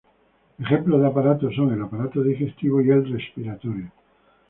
Ejemplos de aparatos son el aparato digestivo y el respiratorio.